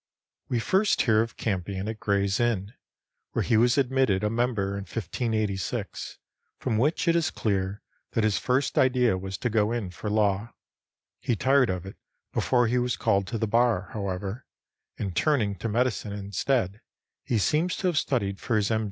We first hear of Campion at Gray's Inn, where he was admitted a member in 1586, from which it is clear that his first idea was to go in for law. He tired of it before he was called to the bar, however; and turning to medicine instead, he seems to have studied for his M.